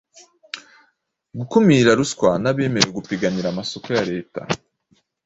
gukumira ruswa n’abemerewe gupiganira amasoko ya Leta.